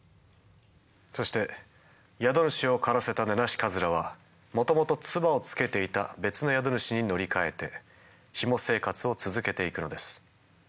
そして宿主を枯らせたネナシカズラはもともとツバをつけていた別の宿主に乗り換えてヒモ生活を続けていくのです。